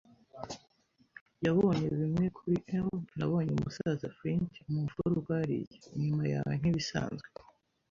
yabonye bimwe kuri 'em. Nabonye umusaza Flint mu mfuruka hariya, inyuma yawe; nkibisanzwe